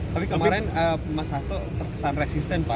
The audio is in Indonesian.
tapi kemarin mas hasto terkesan resisten pak